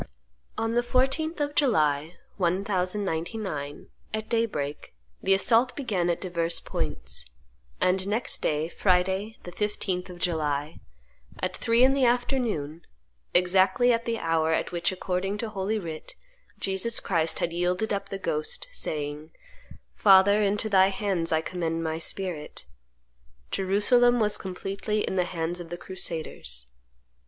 On the 14th of July, 1099, at daybreak, the assault began at divers points; and next day, Friday, the 15th of July, at three in the afternoon, exactly at the hour at which, according to Holy Writ, Jesus Christ had yielded up the ghost, saying, "Father, into Thy hands I commend My spirit," Jerusalem was completely in the hands of the crusaders.